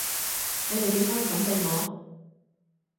你哋點可以噉對我？